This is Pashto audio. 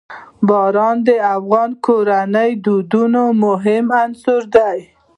باران د افغان کورنیو د دودونو مهم عنصر دی.